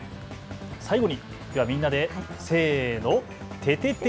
最後にみんなでせーの、ててて！